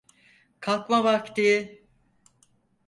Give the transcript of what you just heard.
Kalkma vakti.